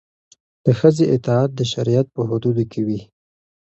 د ښځې اطاعت د شریعت په حدودو کې وي.